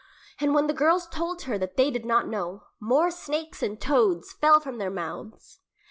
And when the girls told her that they did not know, more snakes and toads fell from their mouths.